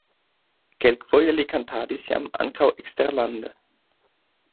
Kelkfoje li kantadis jam ankaŭ eksterlande.